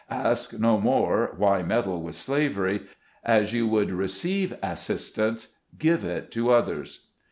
Ask no more, "Why meddle with slavery?" As you would receive assistance, give it to others.